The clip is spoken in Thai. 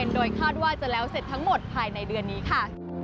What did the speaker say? โดยคาดว่าจะแล้วเสร็จทั้งหมดภายในเดือนนี้ค่ะ